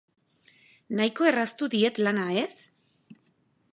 Nahiko erraztu diet lana, ez?